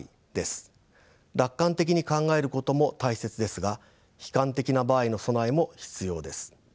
楽観的に考えることも大切ですが悲観的な場合の備えも必要です。